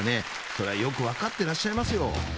そりゃよく分かっていらっしゃいますよ